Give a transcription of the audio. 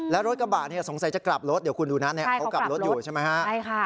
และรถกระบะสงสัยจะกลับรถเดี๋ยวคุณดูขอกลับรถอยู่ใช่ไหมคะ